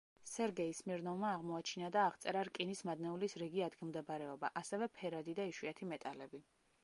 სერგეი სმირნოვმა აღმოაჩინა და აღწერა რკინის მადნეულის რიგი ადგილმდებარეობა, ასევე ფერადი და იშვიათი მეტალები.